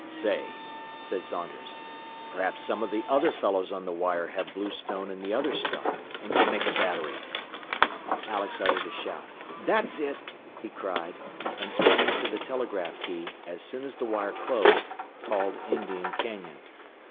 "Say," said Saunders, "perhaps some of the other fellows on the wire have bluestone and the other stuff, and could make a battery!" Alex uttered a shout. "That's it!" he cried, and springing to the telegraph key, as soon as the wire closed, called Indian Canyon.